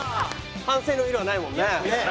反省の色がないもんね。